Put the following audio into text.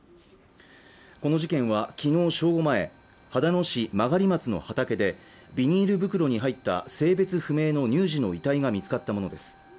この事件はきのう正午前秦野市曲松の畑でビニール袋に入った性別不明の乳児の遺体が見つかったものです